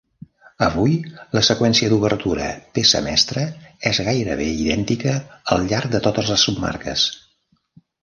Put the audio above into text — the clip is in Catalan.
Avui, la seqüència d'obertura "Peça mestra" és gairebé idèntica al llarg de totes les submarques.